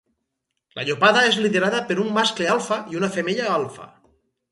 La llopada és liderada per un mascle alfa i una femella alfa.